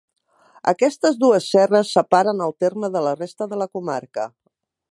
Aquestes dues serres separen el terme de la resta de la comarca.